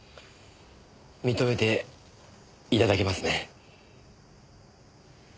認めて頂けますね。